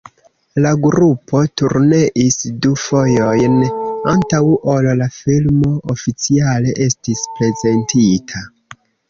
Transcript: La grupo turneis du fojojn, antaŭ ol la filmo oficiale estis prezentita.